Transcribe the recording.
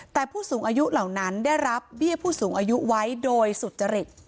แต่ผู้สูงอายุเหล่านั้นได้รับเบี้ยผู้สูงอายุไว้โดยสุจริต